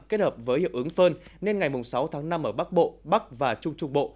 kết hợp với hiệu ứng phơn nên ngày sáu tháng năm ở bắc bộ bắc và trung trung bộ